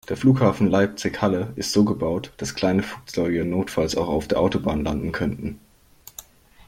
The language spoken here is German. Der Flughafen Leipzig/Halle ist so gebaut, dass kleine Flugzeuge notfalls auch auf der Autobahn landen könnten.